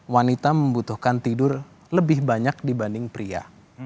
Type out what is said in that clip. wanita membutuhkan tidur lebih banyak dibanding pria